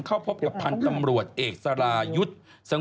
เข้าพบกับพันธ์ตำรวจเอกสรายุทธ์